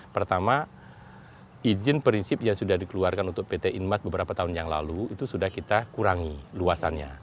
pertama izin prinsip yang sudah dikeluarkan untuk pt inmas beberapa tahun yang lalu itu sudah kita kurangi luasannya